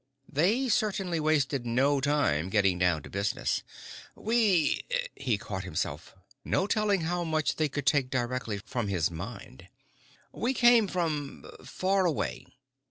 They certainly wasted no time getting down to business. "We " He caught himself. No telling how much they could take directly from his mind! "We came from far away."